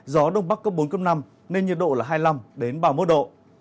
gió đông bắc cấp bốn cấp năm nên nhiệt độ là hai mươi năm ba mươi một độ